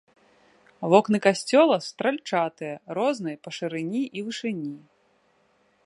Вокны касцёла стральчатыя, розныя па шырыні і вышыні.